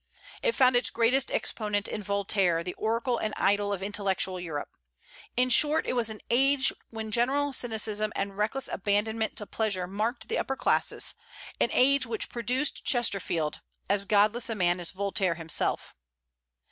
It found its greatest exponent in Voltaire, the oracle and idol of intellectual Europe. In short, it was an age when general cynicism and reckless abandonment to pleasure marked the upper classes; an age which produced Chesterfield, as godless a man as Voltaire himself.